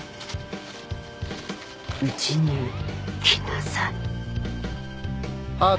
うちに来なさい